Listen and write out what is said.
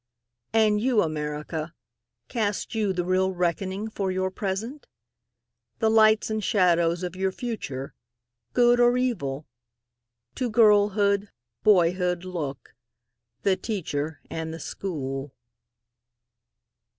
And you, America, Cast you the real reckoning for your present? The lights and shadows of your future—good or evil? To girlhood, boyhood look—the Teacher and the School.